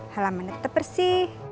halamannya tetep bersih